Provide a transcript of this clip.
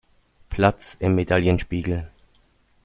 Platz im Medaillenspiegel.